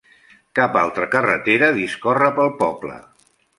Cap altra carretera discorre pel poble.